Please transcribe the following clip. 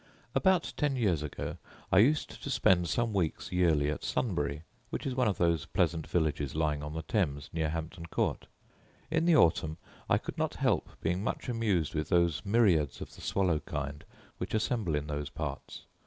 About ten years ago I used to spend some weeks yearly at Sunbury, which is one of those pleasant villages lying on the Thames, near Hampton court. In the autumn, I could not help being much amused with those myriads of the swallow kind which assemble in those parts.